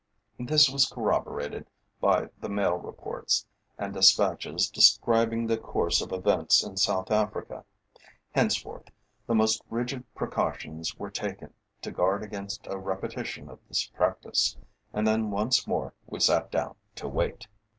This was corroborated by the mail reports, and despatches describing the course of events in South Africa. Henceforth the most rigid precautions were taken to guard against a repetition of this practice, and then once more we sat down to wait.